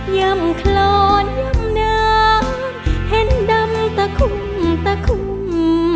ย่ำคลอนย่ำหนาเห็นดำตะคุมตะคุม